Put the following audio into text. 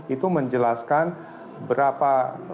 itu menjelaskan berapa